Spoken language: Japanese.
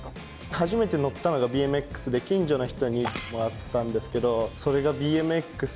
初めて乗ったのがＢＭＸで近所の人にもらったんですけどそれがＢＭＸで。